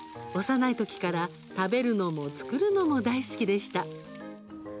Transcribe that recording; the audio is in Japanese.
幼いときから食べるのも作るのも大好きでした。